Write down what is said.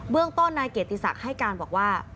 เรื่องต้นนายเกียรติศักดิ์ให้การบอกว่า